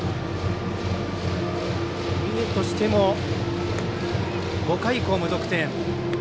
三重としても５回以降、無得点。